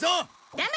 ダメ！